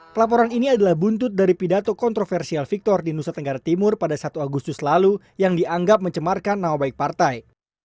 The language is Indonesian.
pelaporan ini adalah buntut dari pidato kontroversial victor di nusa tenggara timur pada satu agustus lalu yang dianggap mencemarkan nama baik partai